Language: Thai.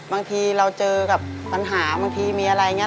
บางทีเราเจอกับปัญหาบางทีมีอะไรอย่างนี้